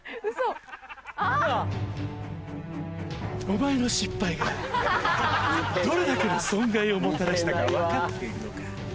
お前の失敗がどれだけの損害をもたらしたか分かっているのか？